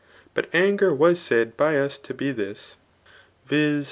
But anger was said by us to be this, [viss.